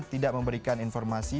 tidak memberikan informasi